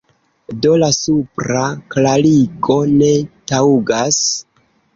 Do la supra klarigo ne taŭgas.